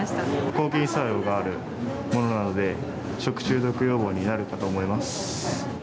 抗菌作用があるものなので食中毒予防になるかと思います。